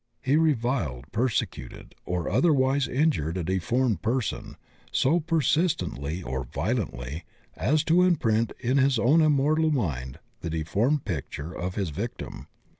He reviled, persecuted, or otherwise injured a deformed person so per sistently or violently as to imprint in. his own immortal mind the deformed picture of his victim.